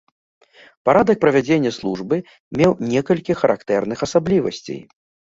Парадак правядзення службы меў некалькі характэрных асаблівасцей.